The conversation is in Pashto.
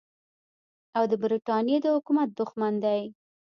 او د برټانیې د حکومت دښمن دی.